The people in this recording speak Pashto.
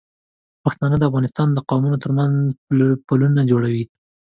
پښتانه د افغانستان د قومونو تر منځ پلونه جوړوي.